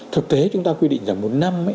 thực tế chúng ta quy định rằng một năm